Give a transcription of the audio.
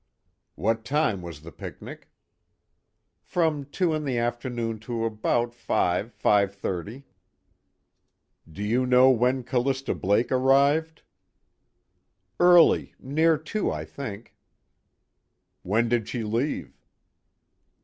"What time was the picnic?" "From two in the afternoon to about five, five thirty." "Do you know when Callista Blake arrived?" "Early, near two I think." "When did she leave?"